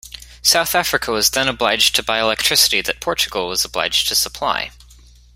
South Africa was then obliged to buy electricity that Portugal was obliged to supply.